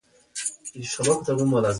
متل دی: غول یې یو پلو او شرم یې بل پلو کېدل.